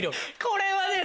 これはね